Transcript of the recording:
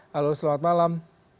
halo selamat malam